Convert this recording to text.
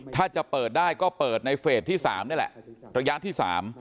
ถ้าจะเปิดได้ก็เปิดในเฟสที่๓นี่แหละระยะที่๓